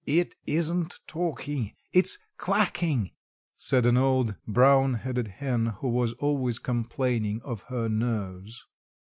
"It isn't talking. It's quacking," said an old, brown headed hen who was always complaining of her nerves.